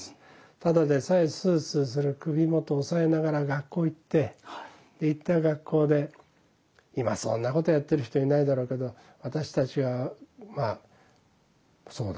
ただでさえスースーする首元を押さえながら学校へ行って行った学校で今そんなことをやっている人はいないだろうけど私たちはまあそうだ。